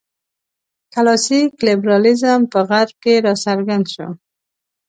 کلاسیک لېبرالېزم په غرب کې راڅرګند شو.